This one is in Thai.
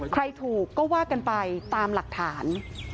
ใครถูกก็ว่ากันไปตามหลักฐาน